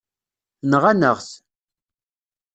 Nɣan-aɣ-t.